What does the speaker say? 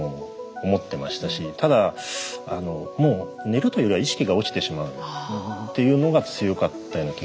ただ寝るというよりは意識が落ちてしまうというのが強かったような気がします。